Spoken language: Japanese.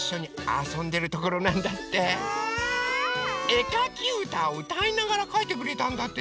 えかきうたをうたいながらかいてくれたんだって！